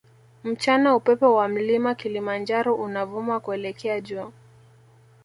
Mchana upepo wa mlima kilimanjaro unavuma kuelekea juu